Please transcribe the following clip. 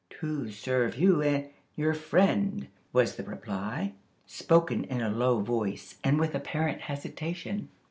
"To serve you and your friend," was the reply, spoken in a low voice, and with apparent hesitation.